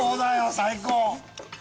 最高！